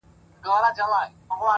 د تجربې حکمت په عمل کې ځلېږي!.